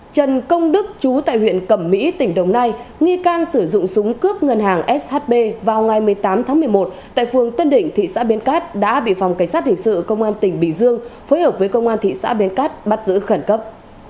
trần công đức chú tại huyện cẩm mỹ tỉnh đồng nai nghi can sử dụng súng cướp ngân hàng shb vào ngày một mươi tám tháng một mươi một tại phường tân định thị xã biên cát đã bị phòng cảnh sát hình sự công an tỉnh bình dương phối hợp với công an thị xã bến cát bắt giữ khẩn cấp